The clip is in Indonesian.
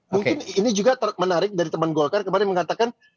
mungkin ini juga menarik dari teman golkar kemarin mengatakan